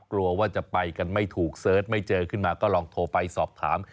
กลัวว่าจะไปกันไม่ถูกเสิร์ชไม่เจอขึ้นมาก็ลองโทรไปสอบถาม